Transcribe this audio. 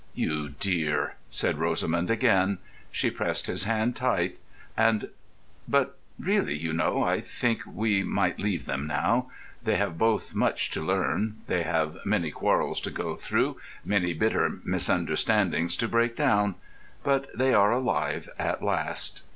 "You dear," said Rosamund again. She pressed his hand tight and.... But really, you know, I think we might leave them now. They have both much to learn; they have many quarrels to go through, many bitter misunderstandings to break down; but they are alive at last.